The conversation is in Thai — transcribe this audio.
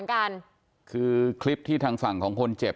ก็กลายเป็นว่าติดต่อพี่น้องคู่นี้ไม่ได้เลยค่ะ